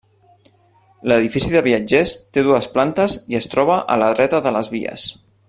L'edifici de viatgers té dues plantes i es troba a la dreta de les vies.